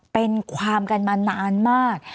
เป็นความกันมานานมาก